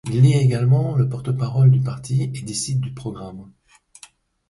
Il élit également le porte-parole du parti et décide du programme.